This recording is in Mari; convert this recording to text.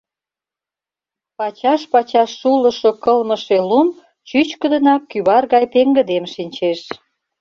Пачаш-пачаш шулышо-кылмыше лум чӱчкыдынак кӱвар гай пеҥгыдем шинчеш.